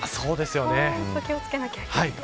本当、気を付けなきゃいけない。